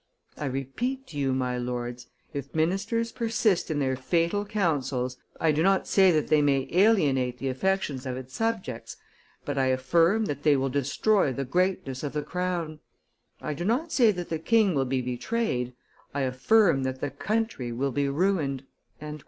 I repeat to you, my lords, if ministers persist in their fatal counsels, I do not say that they may alienate the affections of its subjects, but I affirm that they will destroy the greatness of the crown; I do not say that the king will be betrayed, I affirm that the country will be ruined!"